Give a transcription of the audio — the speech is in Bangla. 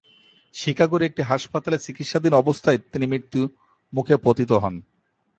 শিকাগোর একটি হাসপাতালে চিকিৎসাধীন অবস্থায় তিনি মৃত্যুমুখে পতিত হন।